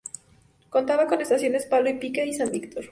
Contaba con las estaciones Palo a Pique y San Víctor.